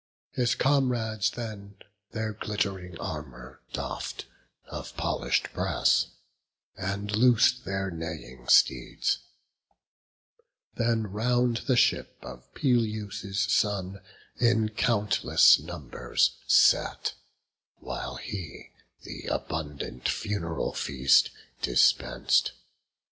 His comrades then Their glitt'ring armour doff'd, of polish'd brass, And loos'd their neighing steeds; then round the ship Of Peleus' son in countless numbers sat, While he th' abundant fun'ral feast dispens'd.